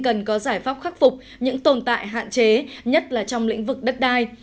cần có giải pháp khắc phục những tồn tại hạn chế nhất là trong lĩnh vực đất đai